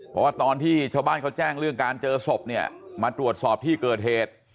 เพราะว่าตอนที่ชาวบ้านเขาแจ้งเรื่องการเจอศพเนี่ยมาตรวจสอบที่เกิดเหตุ